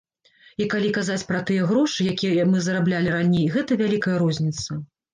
І калі казаць пра тыя грошы, якія мы зараблялі раней, гэта вялікая розніца.